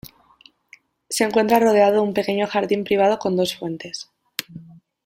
Se encuentra rodeado de un pequeño jardín privado con dos fuentes.